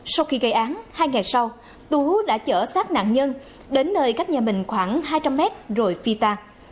sau khi gây án hai ngày sau tú đã chở sát nạn nhân đến nơi cách nhà mình khoảng hai trăm linh mét rồi phi tan